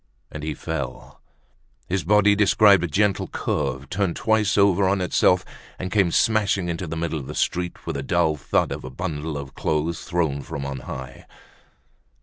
And he fell. His body described a gentle curve, turned twice over on itself, and came smashing into the middle of the street with the dull thud of a bundle of clothes thrown from on high.